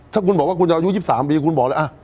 ถ้าคุณบอกว่าคุณจะอายุ๒๓ปีคุณบอกเลย